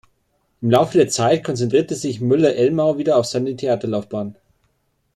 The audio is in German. Im Laufe der Zeit konzentrierte sich Müller-Elmau wieder auf seine Theaterlaufbahn.